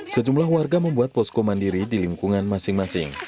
sejumlah warga membuat posko mandiri di lingkungan masing masing